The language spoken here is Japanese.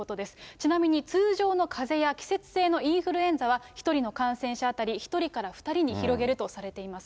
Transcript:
ちなみに、通常のかぜや季節性のインフルエンザは、１人の感染者当たり、１人から２人に広げるとされています。